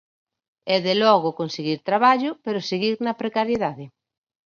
E de logo conseguir traballo, pero seguir na precariedade.